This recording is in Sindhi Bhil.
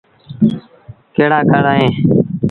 ڪهڙآ ڪهڙ اوهيݩ۔